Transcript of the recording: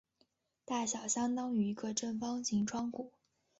大小相当于一个正方形窗户。